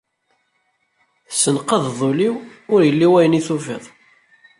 Tessenqadeḍ ul-iw, ur illi wayen i tufiḍ.